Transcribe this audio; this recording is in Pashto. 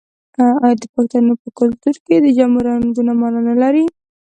آیا د پښتنو په کلتور کې د جامو رنګونه مانا نلري؟